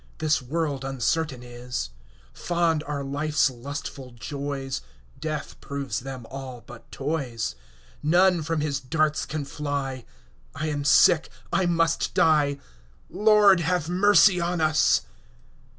This world uncertain is: Fond are life's lustful joys, Death proves them all but toys. None from his darts can fly; 5 I am sick, I must die— Lord, have mercy on us!